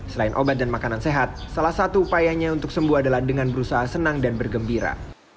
selain obat dan makanan sehat salah satu upayanya untuk sembuh adalah dengan berusaha senang dan bergembira